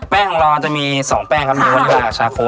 แป้งของเราจะมี๒แป้งครับมีวันหรือหลากชาโค